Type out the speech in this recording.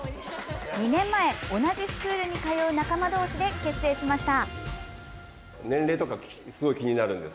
２年前、同じスクールに通う仲間同士で結成しました。